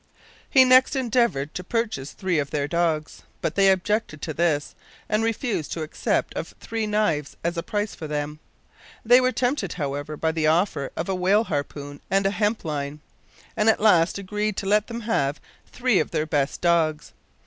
He next endeavored to purchase three of their dogs, but they objected to this, and refused to accept of three knives as a price for them. They were tempted, however, by the offer of a whale harpoon and a hemp line, and at last agreed to let him have three of their best dogs.